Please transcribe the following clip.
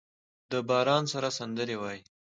د باران سره سندرې وايي